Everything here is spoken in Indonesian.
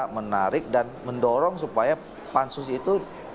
menarik dan mendorong supaya pansus itu